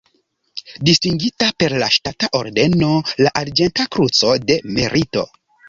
Distingita per la ŝtata ordeno la Arĝenta Kruco de Merito.